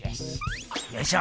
よいしょ。